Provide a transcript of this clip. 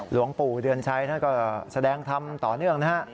หลวงปู่เดือนชัยก็แสดงทำต่อเนื่องนะครับ